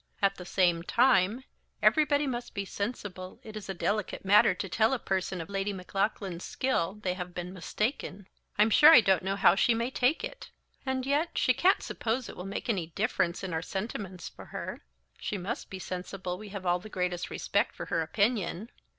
At the same time, everybody must be sensible it is a delicate matter to tell a person of Lady Maclaughlan's skill they have been mistaken. I'm sure I don't know how she may take it: and yet she can't suppose it will make any difference in our sentiments for her. She must be sensible we have all the greatest respect for her opinion."